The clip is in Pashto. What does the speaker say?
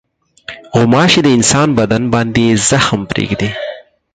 غوماشې د انسان بدن باندې زخم پرېږدي.